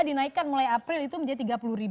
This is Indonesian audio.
dinaikkan mulai april itu menjadi rp tiga puluh